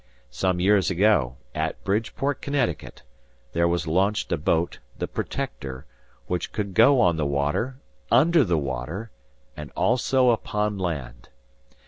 Some years ago, at Bridgeport, Connecticut, there was launched a boat, The Protector, which could go on the water, under the water, and also upon land.